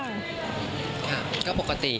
มันก็ปกติ